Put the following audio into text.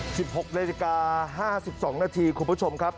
สิบหกเวลาเจ้าห์ห้าสิบสองนาทีคุณผู้ชมครับ